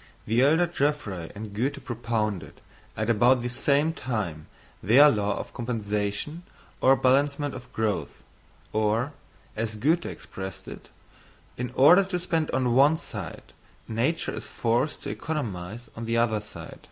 _ The elder Geoffroy and Goethe propounded, at about the same time, their law of compensation or balancement of growth; or, as Goethe expressed it, "in order to spend on one side, nature is forced to economise on the other side."